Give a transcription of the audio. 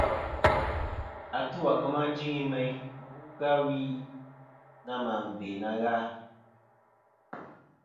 Atu à kema jɨŋi meyn, mɨ bu kɨ-a wi na mɨ be na gha.